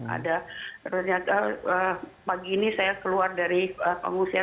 ada ternyata pagi ini saya keluar dari pengungsian